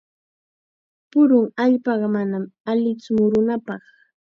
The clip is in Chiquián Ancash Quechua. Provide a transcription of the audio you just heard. Purun allpaqa manam allitsu murunapaq.